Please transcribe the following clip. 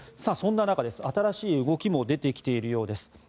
そんな中、新しい動きも出てきているようです。